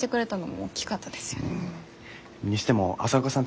にしても朝岡さん